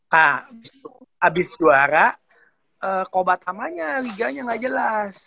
kak abis juara kobat namanya liganya gak jelas